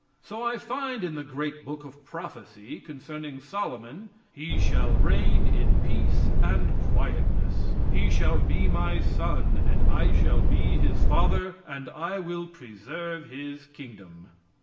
So I find in the great book of prophecy, concerning Solomon: "He shall reign in peace and quietness, he shall be my son, and I shall be his father, and I will preserve his Kingdom."